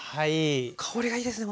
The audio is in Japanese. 香りがいいですね